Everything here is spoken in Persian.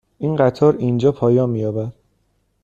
این قطار اینجا پایان می یابد.